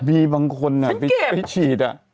มีบางคนน่ะไปชีดอ่ะ